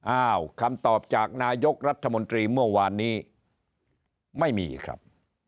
อ้าวคำตอบจากนายกรัฐมนตรีเมื่อวานนี้ไม่มีครับ